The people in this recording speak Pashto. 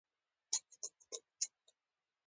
کویلیو څو ځله روغتون ته وړل شوی و.